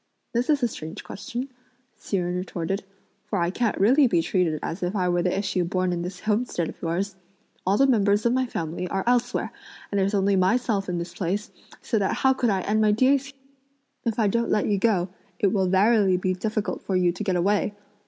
"This is a strange question!" Hsi Jen retorted, "for I can't really be treated as if I were the issue born in this homestead of yours! All the members of my family are elsewhere, and there's only myself in this place, so that how could I end my days here?" "If I don't let you go, it will verily be difficult for you to get away!"